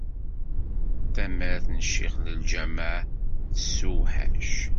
Tamart n ccix n lǧameɛ tessewḥac.